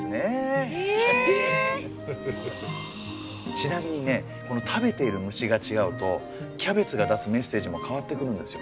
ちなみにね食べている虫が違うとキャベツが出すメッセージも変わってくるんですよ。